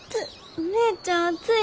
お姉ちゃん熱いよ！